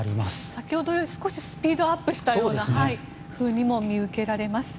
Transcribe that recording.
先ほどより少しスピードアップしたように見受けられます。